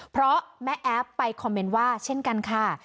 เพราะแม่แอฟไปคอมเมนต์ว่าเช่นกันค่ะ